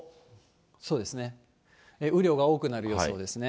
そうですね、雨量が多くなる予想ですね。